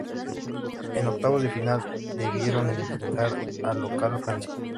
En octavos de final debieron enfrentar al local Francia.